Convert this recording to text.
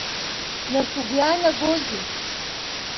Нас угәы иаанагозеи?